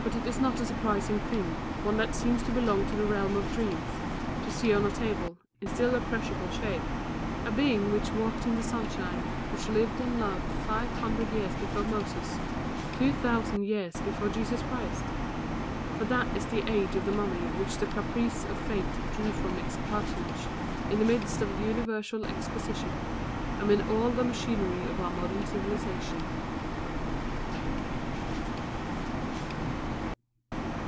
But is it not a surprising thing, one that seems to belong to the realm of dreams, to see on a table, in still appreciable shape, a being which walked in the sunshine, which lived and loved five hundred years before Moses, two thousand years before Jesus Christ? For that is the age of the mummy which the caprice of fate drew from its cartonnage in the midst of the Universal Exposition, amid all the machinery of our modern civilisation.